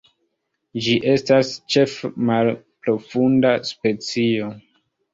Ĝi estas ĉefe malprofunda specio.